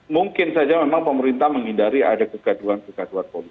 mungkin saja memang pemerintah menghindari ada kegaduan kegaduan polis